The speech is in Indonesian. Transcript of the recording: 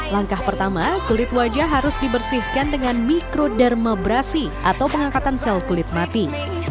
langkah pertama kulit wajah harus dibersihkan dengan mikrodharmabrasi atau pengangkatan sel kulit mati